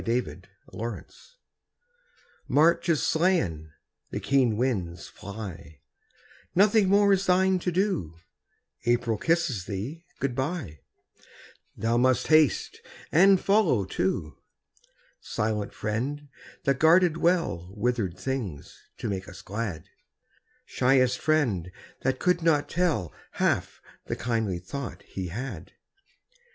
GOD SPEED TO THE SNOW March is slain; the keen winds fly; Nothing more is thine to do; April kisses thee good bye; Thou must haste and follow too; Silent friend that guarded well Withered things to make us glad, Shyest friend that could not tell Half the kindly thought he had.